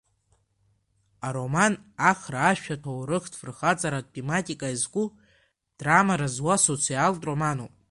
Ароман Ахра ашәа аҭоурых-фырхаҵаратә тематика иазку, драмара зуа социалтә романуп.